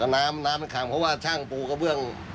น้ำขังเพราะว่าช่างปูกระเบื้อง